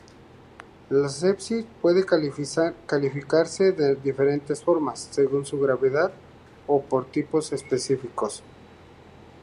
La sepsis puede clasificarse de diferentes formas, según su gravedad o por tipos específicos.